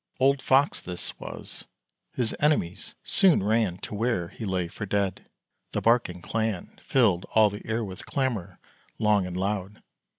Old Fox this was! his enemies soon ran To where he lay for dead. The barking clan Filled all the air with clamour long and loud.